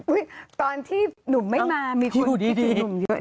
อุ๊ยตอนที่หนุ่มไม่มามีคนคิดถึงหนุ่มเยอะนะ